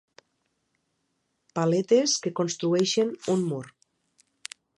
Paletes que construeixen un mur.